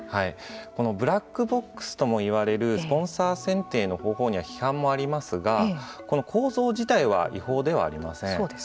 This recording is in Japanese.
ブラックボックスとも言われるスポンサー選定の方法には批判もありますがこの構造自体は違法ではありません。